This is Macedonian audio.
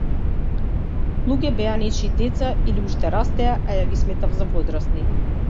Луѓе беа нечии деца или уште растеа, а јас ги сметав за возрасни.